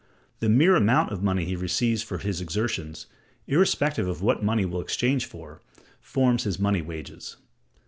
The mere amount of money he receives for his exertions, irrespective of what the money will exchange for, forms his money wages.